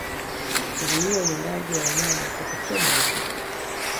kuzuia uwindaji wa wanyama kwa kuchoma misitu